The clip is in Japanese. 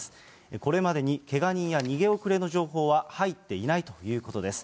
これまでにけが人や逃げ遅れの情報は入っていないということです。